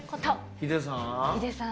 ヒデさん。